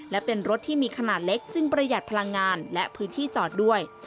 และเป็นรถที่มีขนาดเล็กจึงประหยัดพลังงานและพื้นที่จอดด้วย